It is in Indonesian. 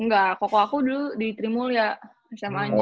enggak koko aku dulu di trimulya sma nya